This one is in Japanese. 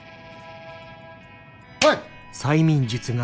はい！